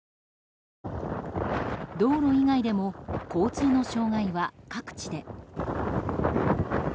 道路以外でも交通の障害は各地で。